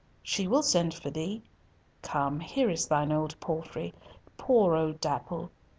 She will send for thee. Come, here is thine old palfrey—poor old Dapple.